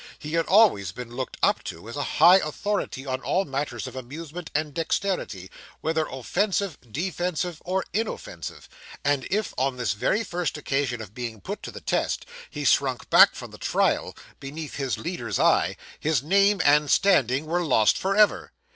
He had always been looked up to as a high authority on all matters of amusement and dexterity, whether offensive, defensive, or inoffensive; and if, on this very first occasion of being put to the test, he shrunk back from the trial, beneath his leader's eye, his name and standing were lost for ever.